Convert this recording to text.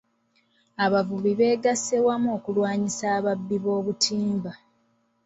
Abavubi beegasse wamu okulwanyisa ababbi b'obutimba.